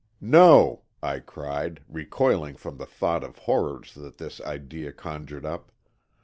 "No!" I cried, recoiling from the thought of horrors that this idea conjured up.